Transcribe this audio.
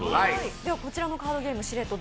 こちらのカードゲーム「シレット」